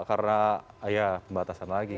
karena ya pembatasan lagi